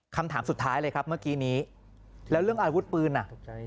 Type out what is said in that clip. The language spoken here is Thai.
คำถามสุดท้ายเลยครับเมื่อกี้นี้แล้วเรื่องอาวุธปืนอ่ะ